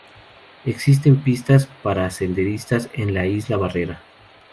Existen pistas para senderistas en la isla barrera.